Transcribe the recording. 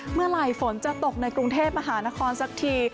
เมื่อไหร่ฝนจะตกในกรุงเทพมหานครสักที